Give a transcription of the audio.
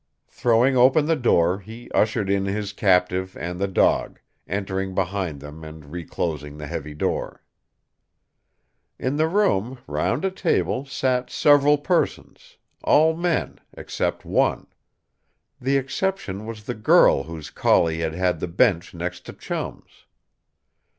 Throwing open the door, he ushered in his captive and the dog, entering behind them and reclosing the heavy door. In the room, round a table, sat several persons all men except one. The exception was the girl whose collie had had the bench next to Chum's.